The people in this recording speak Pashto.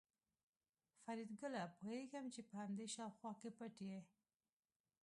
فریدګله پوهېږم چې په همدې شاوخوا کې پټ یې